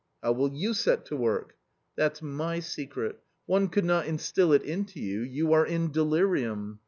" How will you set to work ?" "That's my secret; one could not instil it into you; you are in delirium."